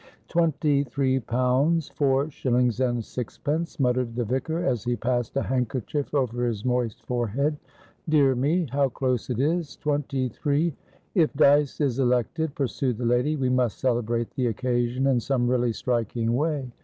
"Twenty three pounds, four shillings and sixpence," muttered the vicar, as he passed a handkerchief over his moist forehead. "Dear me! how close it is! Twenty three" "If Dyce is elected," pursued the lady, "we must celebrate the occasion in some really striking way.